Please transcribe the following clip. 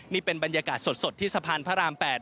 นี่เป็นบรรยากาศสดที่สะพานพระราม๘